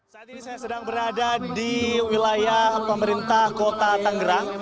saat ini saya sedang berada di wilayah pemerintah kota tangerang